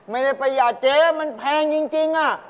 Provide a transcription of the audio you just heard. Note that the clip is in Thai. ไม่ได้ประหยัดเจ๊มันแพงจริง